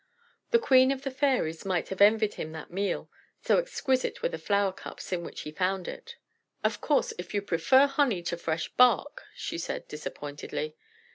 The Queen of the Fairies might have envied him that meal, so exquisite were the flower cups in which he found it. "Of course, if you prefer honey to fresh bark," she said disappointedly.